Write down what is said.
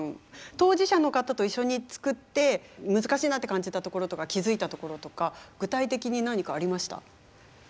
当事者の方と一緒に作って難しいなって感じたところとか気付いたところとか具体的に何かありました？